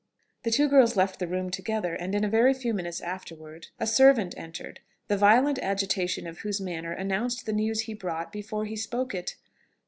The two girls left the room together; and in a very few minutes afterwards a servant entered, the violent agitation of whose manner announced the news he brought before he spoke it.